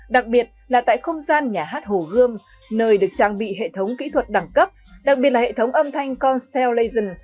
đặc biệt là tại không gian nhà hát hồ gươm nơi được trang bị hệ thống kỹ thuật đẳng cấp đặc biệt là hệ thống âm thanh constellasion